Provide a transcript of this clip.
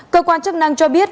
cơ quan chức năng cho biết